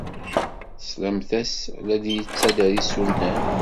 Teslamt-as la d-yettader isunan.